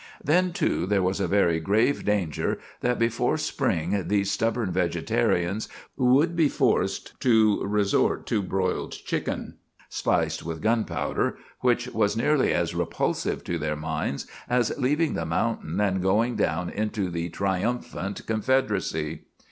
Then, too, there was a very grave danger that before spring these stubborn vegetarians would be forced to resort to broiled chicken, spiced with gunpowder, which was nearly as repulsive to their minds as leaving the mountain and going down into a triumphant Confederacy.